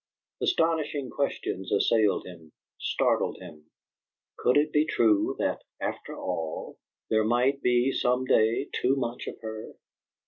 Astonishing questions assailed him, startled him: could it be true that, after all, there might be some day too much of her?